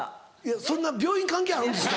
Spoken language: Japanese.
そんな病院関係あるんですか？